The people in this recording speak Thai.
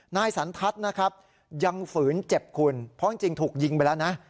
นายสันทัศน์นะครับยังฝืนเจ็บคุณเพราะจริงถูกยิงไปแล้วนะ